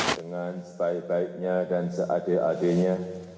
dengan sebaik baiknya dan seadil adilnya